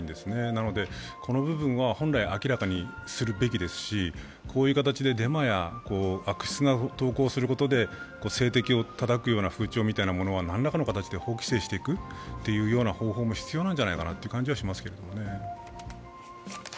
なのでこの部分は本来、明らかにするべきですし、こういう形でデマや悪質な投稿をすることで政敵をたたくような風潮みたいなものは何らかの形で法規制していくことも必要なんじゃないかなという感じはしますけどね。